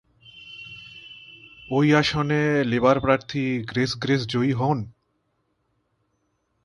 এই আসনে লেবার প্রার্থী গ্রেস গ্রেস জয়ী হন।